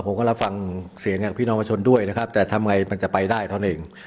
ผมก็รับฟังเสียงจากพี่น้องประชนด้วยนะครับแต่ทำไงมันจะไปได้เท่านั้นเอง